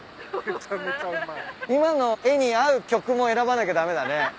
今の絵に合う曲も選ばなきゃ駄目だね。